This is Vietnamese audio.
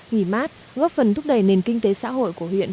nghỉ mát góp phần thúc đẩy nền kinh tế xã hội của huyện